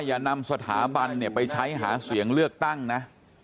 อย่านำสถาบันเนี่ยไปใช้หาเสียงเลือกตั้งนะ